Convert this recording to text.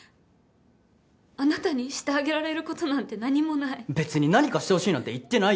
あなたにしてあげられることなんて何もない別に何かしてほしいなんて言ってないよ！